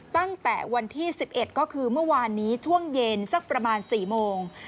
ตั้งแต่วันที่๑๑ก็คือเมื่อวานนี้ช่วงเย็นสักประมาณ๔โมง